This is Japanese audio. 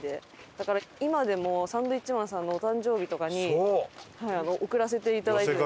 だから今でもサンドウィッチマンさんのお誕生日とかに贈らせていただいてる。